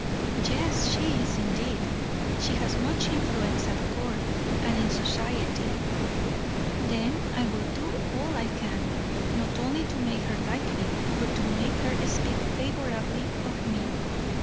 "Yes, she is, indeed, she has much influence at court and in society." "Then I will do all I can, not only to make her like me, but to make her speak favorably of me.